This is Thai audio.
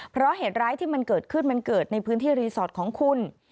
เพราะเหตุร้ายที่มันเกิดขึ้นมันเกิดในพื้นที่รีสอร์ทของคุณ